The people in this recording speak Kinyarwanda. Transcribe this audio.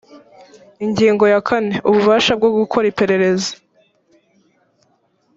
ingingo ya kane ububasha bwo gukora iperereza